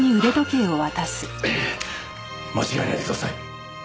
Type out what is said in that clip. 間違えないでください。